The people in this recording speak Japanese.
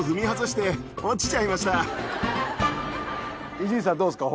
伊集院さんどうっすか？